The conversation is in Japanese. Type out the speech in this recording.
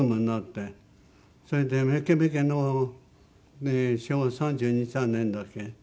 それで『メケ・メケ』の昭和３２３３年だっけ。